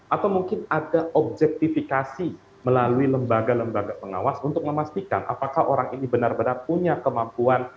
atau mungkin ada objektifikasi melalui lembaga lembaga pengawas untuk memastikan apakah orang ini benar benar punya kemampuan